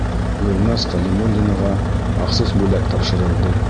Гөлназ Ғәлимуллинаға махсус бүләк тапшырылды.